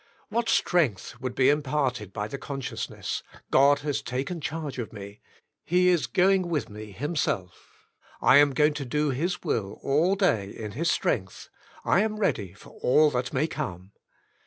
What^strength would be imparted by the consciousness: God has taken charge of me, He is going with me Himself ; I am going to do His will all day in His strength ; I am ready for all that may come.